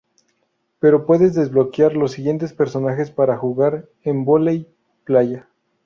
Pero puedes desbloquear los siguientes personajes para jugar en Vóley playa.